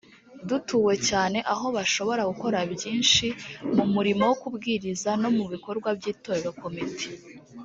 dutuwe cyane aho bashobora gukora byinshi mu murimo wo kubwiriza no mu bikorwa by itorero komite